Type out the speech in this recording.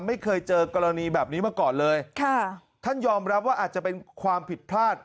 ไม่เคยเจอกรณีแบบนี้มาก่อนเลยค่ะท่านยอมรับว่าอาจจะเป็นความผิดพลาด